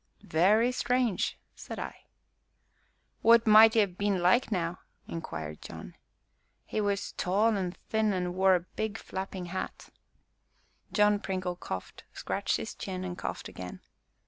"Very strange!" said I. "What might 'e 'ave been like, now?" inquired John. "He was tall and thin, and wore a big flapping hat." John Pringle coughed, scratched his chin, and coughed again.